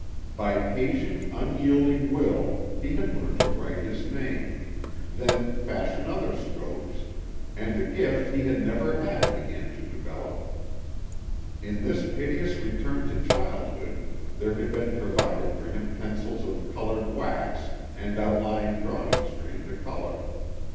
By patient unyielding will he had learned to write his name, then fashion other strokes, and a gift he had never had began to develop. In this piteous return to childhood there had been provided for him pencils of colored wax and out line drawings for him to color.